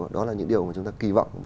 đó là những điều mà chúng ta kỳ vọng